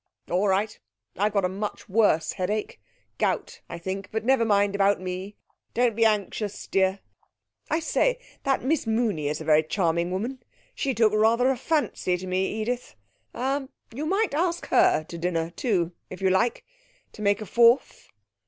'All right. I've got a much worse headache gout, I think, but never mind about me. Don't be anxious, dear! I say, that Miss Mooney is a very charming woman. She took rather a fancy to me, Edith. Er you might ask her to dinner too, if you like, to make a fourth!'